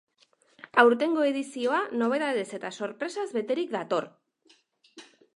Aurtengo edizioa nobedadez eta sorpresaz beterik dator.